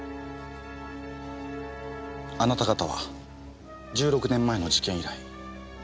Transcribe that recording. あなた方は１６年前の事件以来ずっと。